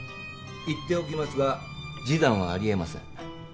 言っておきますが示談はあり得ません。